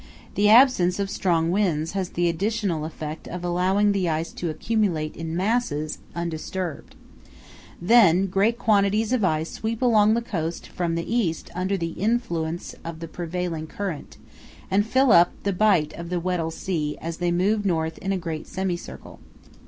The absence of strong winds has the additional effect of allowing the ice to accumulate in masses, undisturbed. Then great quantities of ice sweep along the coast from the east under the influence of the prevailing current, and fill up the bight of the Weddell Sea as they move north in a great semicircle.